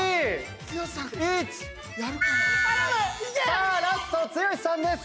さあラスト剛さんです。